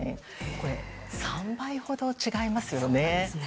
これ３倍ほど違いますよね。